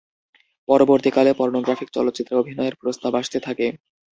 পরবর্তীকালে পর্নোগ্রাফিক চলচ্চিত্রে অভিনয়ের প্রস্তাব আসতে থাকে।